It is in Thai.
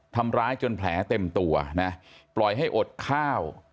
ทำร้ายจนแผลเต็มตัวนะปล่อยให้อดข้าว